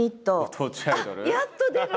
あっやっと出る。